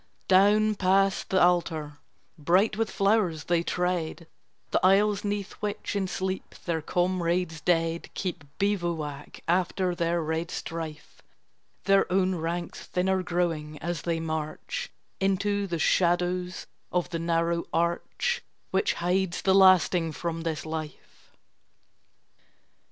Down past the altar, bright with flowers, they tread The aisles 'neath which in sleep their comrades dead Keep bivouac after their red strife, Their own ranks thinner growing as they march Into the shadows of the narrow arch Which hides the lasting from this life.